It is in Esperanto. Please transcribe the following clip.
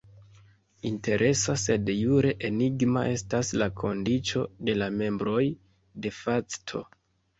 Interesa sed jure enigma estas la kondiĉo de la membroj "de facto".